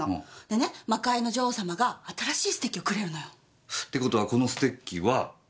でね魔界の女王様が新しいステッキをくれるのよ。って事はこのステッキは。